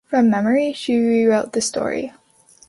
From memory, she rewrote the story.